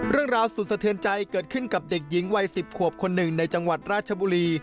เรื่องราวสุดสะเทือนใจเกิดขึ้นกับเด็กหญิงวัย๑๐ขวบคนหนึ่งในจังหวัดราชบุรี